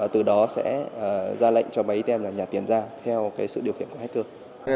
từ đó sẽ ra lệnh cho máy atm nhà tiền ra theo sự điều khiển của hệ thống